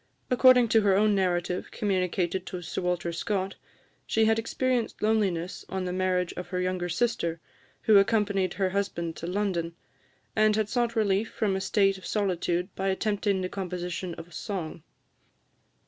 According to her own narrative, communicated to Sir Walter Scott, she had experienced loneliness on the marriage of her younger sister, who accompanied her husband to London, and had sought relief from a state of solitude by attempting the composition of song.